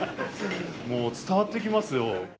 もう伝わってきますよ。